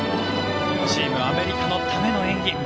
チームアメリカのための演技。